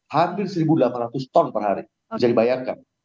hampir satu delapan ratus ton per hari bisa dibayarkan